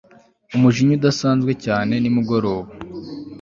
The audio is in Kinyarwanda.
umujinya udasanzwe cyane nimugoroba